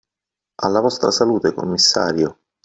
Alla vostra salute, commissario!